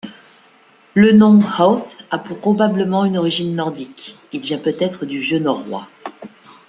Le nom Howth a probablement une origine nordique, il vient peut-être du vieux norrois.